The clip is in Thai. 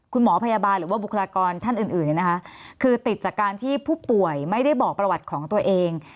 คุณหมอพยาบาลหรือว่าบุคลากรท่านอื่นคือติดจากการที่ผู้ป่วยไม่ได้บอกประวัติของตัวเอง